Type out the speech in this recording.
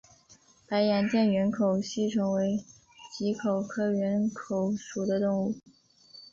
白洋淀缘口吸虫为棘口科缘口属的动物。